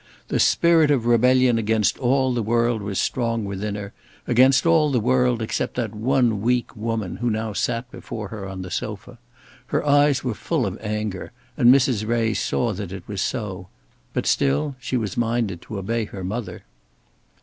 The spirit of rebellion against all the world was strong within her; against all the world except that one weak woman who now sat before her on the sofa. Her eyes were full of anger, and Mrs. Ray saw that it was so; but still she was minded to obey her mother.